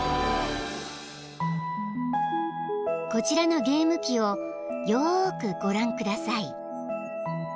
［こちらのゲーム機をよーくご覧ください］